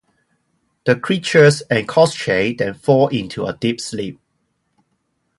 The creatures and Koschei then fall into a deep sleep.